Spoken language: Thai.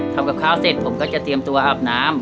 ทำกับข้าวเสร็จผมก็จะเตรียมตัวอาบน้ำ